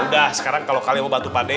udah sekarang kalau kalian mau bantu pak d